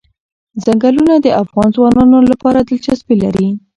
ځنګلونه د افغان ځوانانو لپاره دلچسپي لري.